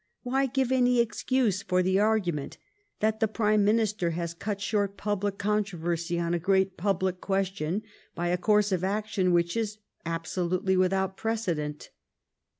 Why give any excuse for the argument that the Prime Minister has cut short public controversy on a great public question by a course of action which is absolutely without precedent